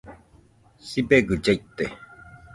Sibegɨ llaite